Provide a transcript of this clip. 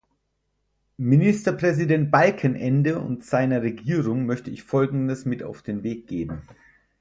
Ministerpräsident Balkenende und seiner Regierung möchte ich Folgendes mit auf den Weg geben.